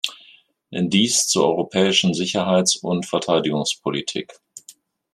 Dies zur europäischen Sicherheits- und Verteidigungspolitik.